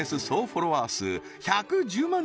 フォロワー数１１０万